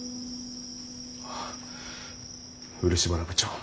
あ漆原部長。